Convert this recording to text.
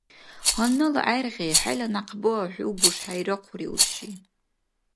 Гьаннала гӀергъи хӀела някъба хӀу гушхӀейрахъури, урши.